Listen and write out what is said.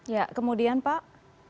ya kemudian pak